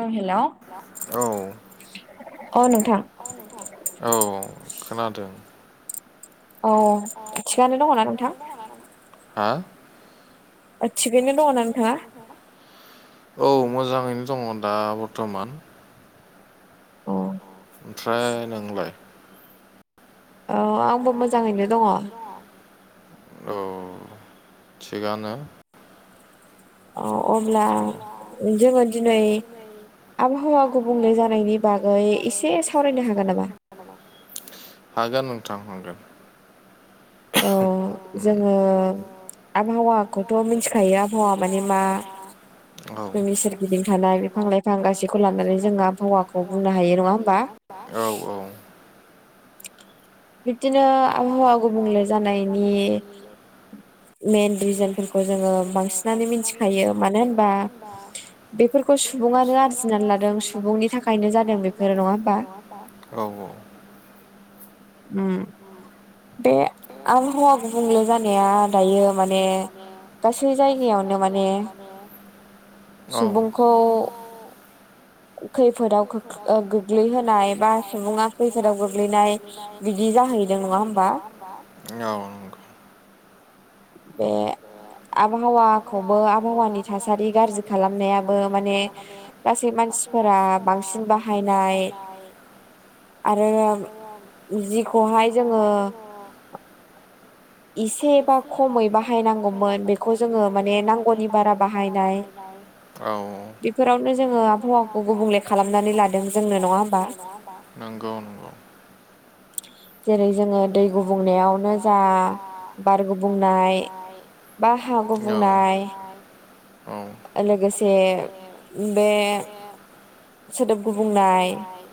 औ hello. Hello औ औ खोनादों। औ थिगानो दङना नोंथां? हा? औ मोजाङैनो दङ दा बर्थमान औ। ओमफ्राय नोंलाय औ आंबो मोजाङैनो दङ। औ थिगानो औ अब्ला जोङो दिनै आबहावा गुबुंले जानायनि बागै एसे सावरायनो हागोन नामा? हागोन नोंथां हांगोन औ जोङो आबहावाखौ आखौथ' मिथिखायो आहा मानबा औ थानाय [unintelligible] औ औ बिबदिनो आबहावा गुबुंले जानायनि मेन रिजोनफोरखौ जोङो बांसिनानो मिथिखायो मानो होनबा बेफोरखौ सुबुङानो आरजिनानै लादों सुबुंनि थाखायनो जादों बेफोरो नङा होमबा औ औ। उम दे आबहावा गुबुंले जानाया दायो माने गासै जायगायावनो माने सुबुंखौ खैफोदाव गोग्लैहोनाय बा सुबुङा खैफोदाव गोग्लैनाय बिदि जाहैदों नङा होना औ बे आबहावाखौबो आबहावानि थासारि गाज्रि खालामनायाबो माने गासै मानसिफोरा बांसिन बाहायनाय आरो जिखौहाय जोङो एसेबा खमै बाहायनांगौमोन बेखौ जोङो माने नांगौनि बारा बाहायनाय औ बेफोरावनो जोङो हौवाखौ गुबुहुमलेखा खालामनानै लादों जोंनो नङा होमबा नगौ नंगौ जेरै जोङो दै गुबुंनायावनो जा औ औ लोगोसे बे गुबुंनाय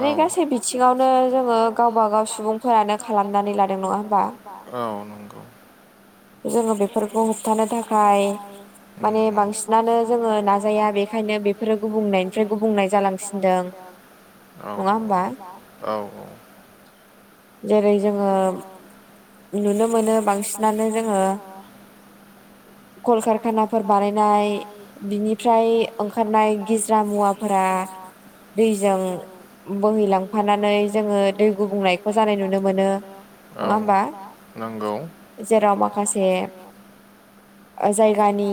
माने गासै बिथिङावनो जोङो गावबा गाव सुबुंफोरानो खालामनानै लादों नङा हबा औ नंगौ जोङो बेफोरखौ होबथानो थाखाय माने बांसिनानो जोङो नाजाया बेखायनो बे बेफोर गुबुंनाय फ्राय गुबुंनाय जालांसिनदों नङा होमबा जेरै जोङो नुनो मोनो बांसिनानो जोङो कलकारखानाफोर बानायनाय बिनिफ्राय ओंखारनाय गिज्रारा मुवाफोरा दैजों बोहैलांफानानै जोङो दै गुबुंनायखौ जानाय औ नंगौ जेराव माखासे जायगानि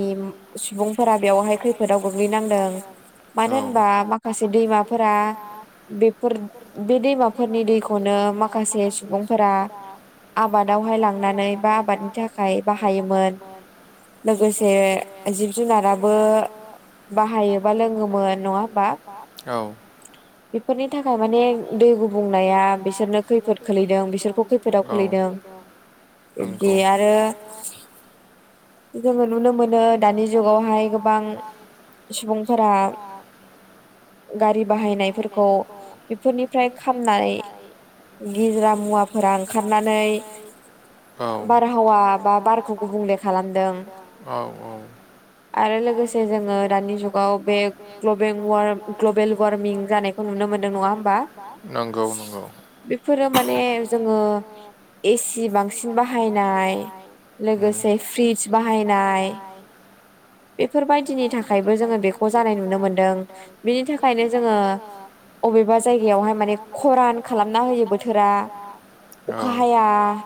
सुबुंफोरा बेवहाय खैफोदाव गोग्लैनांदों। मानो होनबा माखासे दैमाफोरा बेफोर बे दैमाफोरनि दैखौनो माखासे सुबुंफोरा आ आबादावहाय लांनानै बा आबादनि थाखाय बाहायोमोन। लोगोसे जिब जुनाराबो बाहायोबा लोङोमोन नङा होमबा? बेफोरनि थाखाय माने दै गुबुंनाया बिसोरनो खैफोद खोलैदों बिसोरखौ खैफोदाव खोलैदों। बिदि आरो जोङो नुनो मोनो दानि जुगावहाय गोबां सुबुंफोरा गारि बाहायनायफोरखौ बेफोरनिफ्राय खामनानै गिजिरा मुवाफोरा ओंखारनानै बारहावा बा बारखौ गुबुंले खालामदों। आरो लोगोसे जोङो दानि जुगाव बे ग्लबेल वारम ग्लबेल वारमिं जानायखौ नुनो मोनदों नङा होमबा? बेफोरो माने जोङो एसि बांसिन बाहायनाय लोगोसे फ्रिस बाहायनाय बेफोरबायदिनि थाखायबो जोङो बेखौ जानाय नुनो मोनदों बिनि थाखायनो जोङो अबेबा जायगायावहाय माने खरान खालामना होयो बोथोरा बोथोरा औ हाया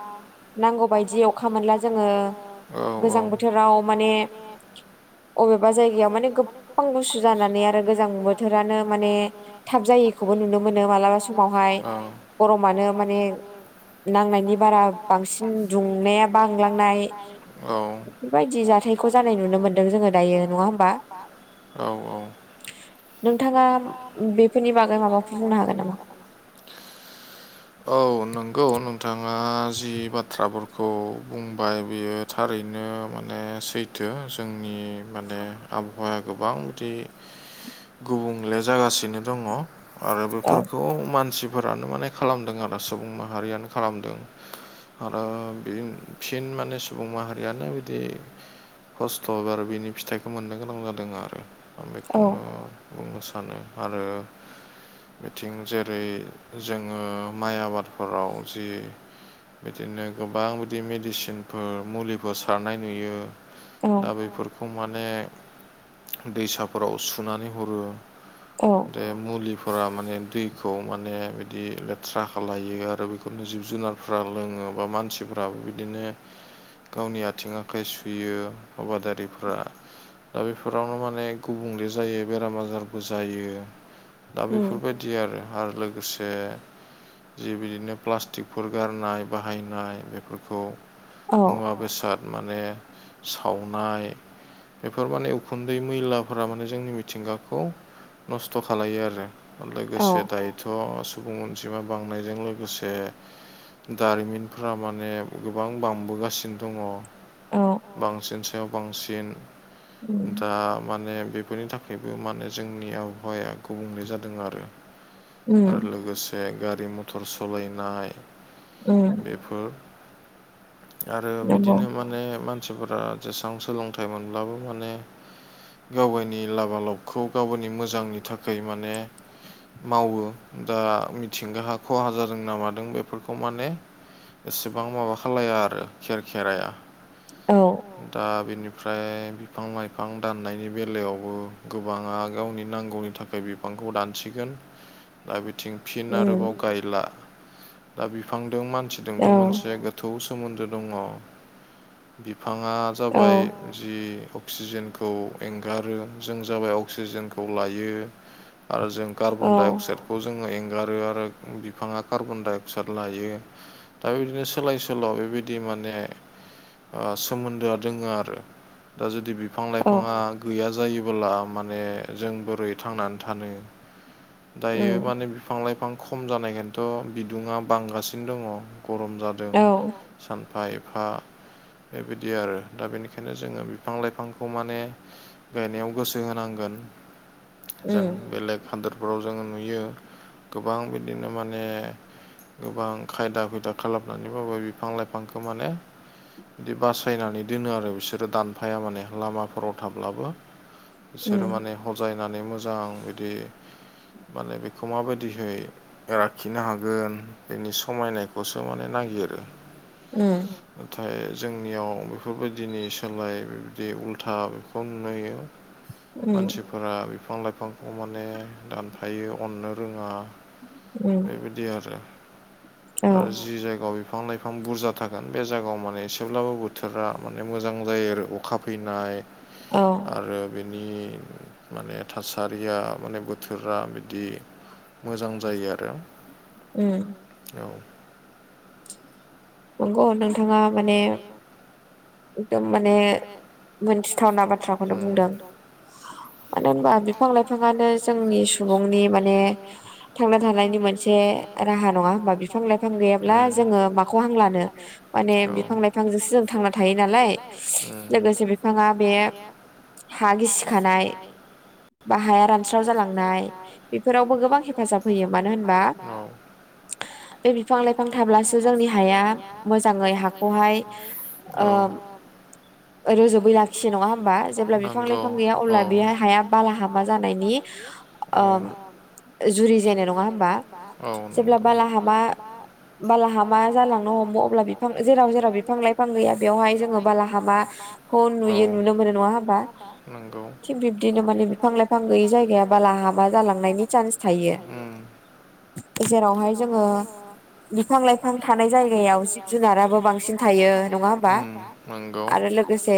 नांगौ बायदि अखा मोनला जोङो गोजां बोथोराव माने अबेबा जायगायाव माने गोबां गुसु जानानै आरो गोजां थोरानो माने थाब जायैखौबो नुनो मोनो मालाबा समावहाय गरमानो माने नांनायनि बारा बांसिन दुंनाया बांलांनाय बेबायदि जाथायखौ जानाय नुनो मोन्दों जोङो दायो नङा होमबा औ औ नोंथाङा बेफोरनि बागै माबाफोर बुंनो हागोन नामा? औ नंगौ नोंथाङा जि बाथ्राफोरखौ बुंबाय बेयो थारैनो माने सैथो जोंनि माने आबहावाया गोबां बिदि गुबुंले जागासिनो दङ आरो बैफोरखौ मानसिफोरानो माने खालामदों आरो सुबुं माहारियानो खालामदों आरो बिदि फिन माने सुबुं माहारियानो बिदि खस्थ' आरो बिनि फिथाइखौ मोननो गोनां जादों आरो दा बेखौनो बुंनो सानो आरो बिथिं जेरै जों ओ माइ आबादफोराव जि बिदिनो गोबां बिदि मेडिसिनफोर मुलिफोर सारनाय नुयो दा बेफोरखौ माने दैसाफोराव सुनानै हरो अ बे मुलिफोरा माने दैखौ माने बिदि लेथ्रा खालायो आरो बेखौनो जिब जुनारफ्रा लोङो बा मानसिफ्राबो बिदिनो गावनि आथिं आखाइ सुयो आबादारिफ्रा दा बेफोरावनो माने गुबुंले जायो बेराम आजारबो जायो दा बेफोरबायदि आरो आरो लोगोसे [inaudible] जि बिदिनो प्लास्टिकफोर गारनाय बाहायनाय बेफोरखौ मुवा बेसाद माने सावनाय बेफोर माने उखुन्दै मैलाफोरा माने जोंनि मिथिंगाखौ नस्थ' खालायो आरो लोगोसे दायोथ' सुबुं अनजिमा बांनायजों लोगोसे दारिमिनफ्रा माने गोबां बांबोगासिनो दङ औ बांसिन सायाव बांसिन दा माने बेफोरनि थाख थेबो माने जोंनि आबहावाया गुबुंले जादों आरो उम लोगोसे गारि मथर सलायनाय उम बेफोर आरो बिदिनो माने मानसिफोरा जेसेबां सोलोंथाइ मोनब्लाबो माने गाव गायनि लाबा लबखौ गाव गायनि मोजांनि थाखाय माने मावो दा मिथिंगा खहा जादों ना मादों बेफोरखौ माने एसेबां माबा खालाया आरो खेर खेराइाया औ दा बेनिफ्राय बिफां लाइफां दाननायनि बेलायावबो गोबाङा गावनि नांगौ - थाखाय बिफांखौ दानसिगोन [inaudible] दा बिथिं फिन आरोबाव गायला दा बिफांदों मानसिजोंथ' मोनसे गोथौ सोमोन्दो दङ बिफाङा जाबाय जि अक्सिजेनखौ एंगारो जों जाबाय अक्सिजेनखौ लायो। आरो जों कार्बनडाइ अक्साइड। खौ जोङो एंगारो आरो बिफाङा कार्बनडाइ अक्साइड लायो। दा बेबायदिनो सोलाय सोल' बेबायदि मानेहाय सोमोन्दोआ दोङो आरो दा जुदि बिफां लाइफाङा गैया जायोबोला माने जों बोरै थांनानै थानो दायो माने बिफां लाइफां खम जानायखायनोथ' बिदुङा बांगासिनो दङ गरम जादों। जादों सानफा एफा बेबायदि आरो दा बेनिखायनो जोङो बिफां लाइफांखौ माने गायनायाव गोसो होनांगोन जों बेलेग हादोर फोराव जोङो नुयो गोबां बिदिनो माने गोबां खायदा खयदा खालामनानैबाबो बिफां लाइफांखौ माने बिदि बासायनानै दोनो आरो बिसोरो दानफाया माने लामाफोराव थाब्लाबो। बिसोरो माने हजायनानै मोजां बिदि माने बेखौ माबायदिहै लाखिनो हागोन बेनि समायनायखौसो माने नागिरो उम। नाथाय जोंनियाव बेफोरबायदिनि सोलाय बिबायदि उल्था बेखौ नुनाय [inaudible] मानसिफोरा बिफां लाइफांखौ माने दानफायो अननो रोङा। उम। बेबायदि आरो ओ जि जायगायाव बे बिफां लाइफां बुरजा थागोन बे जायगायाव माने एसेब्लाबो बोथोरा माने मोजां जायो आरो अखा फैनाय आरो बेनि माने थासारिया माने ब बोथोरा बिदि मोजां जायो आरो उम। औ। नंगौ नोंथाङा माने। एकदम माने मोनथिथावना बाथ्राखौनो बुंदों। मानो होनबा बिफां लाइफाङानो जोंनि सुबुंनि माने थांना थानायनि मोनसे राहा नङा होमबा बिफां लाइफां गैयाब्ला जोङो माखौ हां माने बिफां लाइफांसो जों थांना थायो नालाय लोगोसे थाङा बेयो। हा गिसिखानाय, बाहाया रानस्राव जालांनाय बेफोरावबो गोबां हेफाजाब होयो मानो होनबा। बे बिफां लाइफां थाब्लासो जोंनि हाय मोजाङै हाखौ हाय रोजोबै लाखियो नङा होमबा जेब्ला बिफां लाइफां गैया अब्ला बे हाया बाला हामा जानायनि ओम जुरि जेननाय नङा होनबा जेब्ला बालाहामा बालाहामा मा जालांनो हमो अब्ला जेराव जेराव बिफां लाइफां गैया बेयावहाय जोङो बाला हामा। खौ नुयो नुनो मोनो नङा होनबा थिग बिब्दिनो माने बिफां लाइफां गैयै जायगायाव बालाहामा जालांनायनि चान्स थायो। जेरावहाय जोङो बिफां लाइफां थानाय जायगायाव जिब जुनाराबो बांसिन थायो नङा होमबा आरो लोगोसे।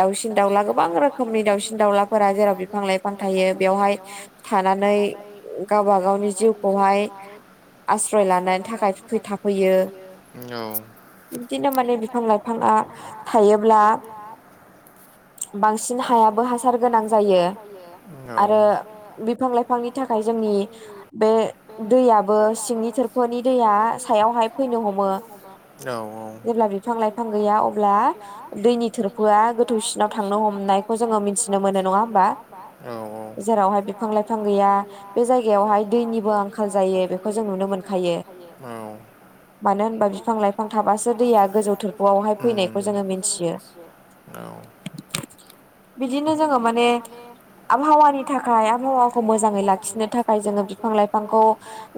दाउसिन दाउला गोबां रोखोमनि दाउसिन दाउलाफोरा जेराव बिफां लाइफां थायो बेयावहाय। थानानै गावबा गावनि जिउखौहाय आस्रय लानायनि थाखाय फै थाफै बिदिनो माने बिफां - लाइफाङा थायोब्ला बांसिन हायाबो हासार गोनां जायो आरो बिफां - लाइफां बिफांनि थाखाय जोंनि बे दैयाबो सिंनि थोरफोनि दैया सायावहाय फैनो हमो जेब्ला बिफां लाइफां गैया अब्ला दैनि थोर आ गोथौसिनाव थांनो हमनायखौ जोङो मिथिनो मोनो नङा होमबा जेरावहाय बिफां लाइफां बिफां गैया बे जायगायावहाय दैनिबो आंखाल जायो बेखौ जों नुनो मोनखायो। औ। मानो होनबा बिफां -लाइफां थाबासो दैया गोजौ थोरफौआवहाय फैनायखौ जोङो मिथियो। बिदिनो जोङो माने आबहावानि थाखाय आबहावाखौ मोजाङै लाखिनो थाखाय जोङो बिफां - लाइफांखौ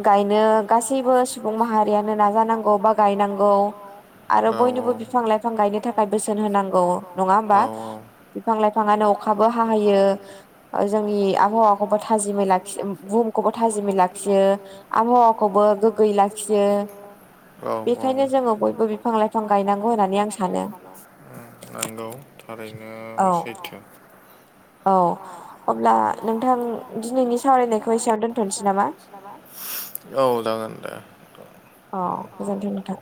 गायनो गासैबो सुबुं माहारि नाजा नांगौ बा गायनांगौ आरो बयनिबो बिफां -लाइफां गायनो थाखाय बोसोन होनांगौ नङा होमबा। बिफां - लाइफाङानो अखाबो हाहैयो जोंनि आबहावाखौबो थाजिमै लाखि बुम खौबो थाजिमि लाखियो आबहावाखौबो गोग्गोयै लाखियो बेखायनो जोङो बयबो बिफां लाइफां बायनांगौ होननानै आं सानो। नांगौ थारैनो सैथो। औ अब्ला नोंथां दिनैनि सावरायनायखौ एसेयाव दोनथ'नोसै नामा। औ जागोन दे। अ' गोजोनथों नोंथां।